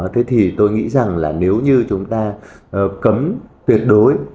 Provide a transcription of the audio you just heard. thế thì tôi nghĩ rằng là nếu như chúng ta cấm tuyệt đối